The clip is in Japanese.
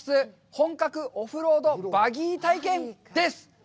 本格オフロードバギー体験」です。